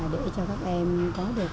để cho các em có được